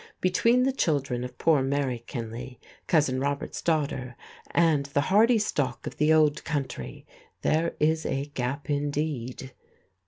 Between the children of poor Mary Kinley, Cousin Robert's daughter, and the hardy stock of the old country there is a gap indeed!